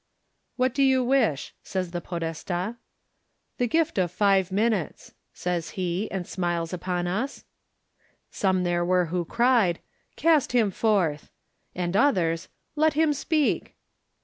"What do you wish?" says the Podesti. "The gift of five minutes," says he, and smiles upon us. Some there were who cried, "Cast him forth!" And others, "Let him speak."